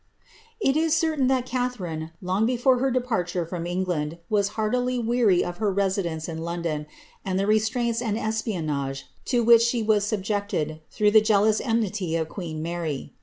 It is certain that Catharine, long before her departure from Englandi was heartily weary of her residence in London, and the restraints and espionau;c to which she was subjected through the jealous enmity of queen Mary.